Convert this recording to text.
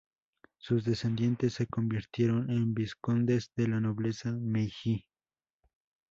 Sus descendientes se convirtieron en vizcondes de la nobleza Meiji.